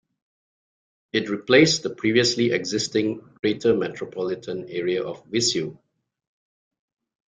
It replaced the previously existing "Greater Metropolitan Area of Viseu".